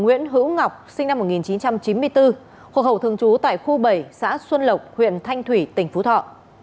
nguyễn hữu ngọc sinh năm một nghìn chín trăm chín mươi bốn hộ khẩu thường trú tại khu bảy xã xuân lộc huyện thanh thủy tỉnh phú thọ